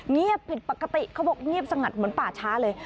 เงียบผิดปกติเขาบอกเงียบสงัดเหมือนป่าช้าเลย